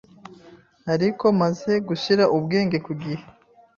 ariko maze gushyira ubwenge ku gihe